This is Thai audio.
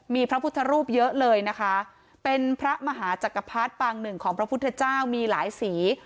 มีพระพุทธรูปเยอะเลยนะคะเป็นพระมหาจักรพรรดิปางหนึ่งของพระพุทธเจ้ามีหลายสี